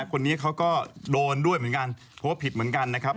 คนนี้เขาก็โดนด้วยเหมือนกันเพราะว่าผิดเหมือนกันนะครับ